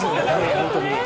本当に。